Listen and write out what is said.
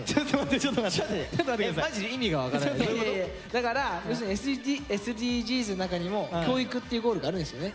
だから要するにＳＤＧｓの中にも教育っていうゴールがあるんですよね。